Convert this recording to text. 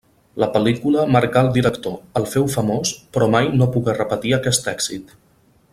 La pel·lícula marcà el director, el féu famós però mai no pogué repetir aquest èxit.